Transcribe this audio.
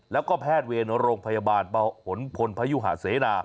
แล้วก็แพทย์เวรโรงพยาบาลหลพลพยุหาเสนา